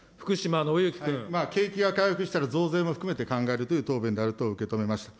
景気が回復したら、増税も含めて考えるという答弁であるというふうに受け止めました。